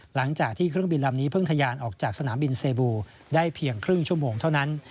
หลังจากที่เครื่องบินลำนี้เพิ่งทะยานออกจากสนามบินเซบูได้เพียงครึ่งชั่วโมงเท่านั้น